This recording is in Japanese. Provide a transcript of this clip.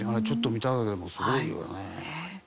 ちょっと見ただけでもすごいよね。